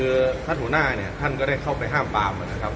คือท่านหัวหน้าถ้านก็ได้เข้าไปห้ามปากมันนะครับ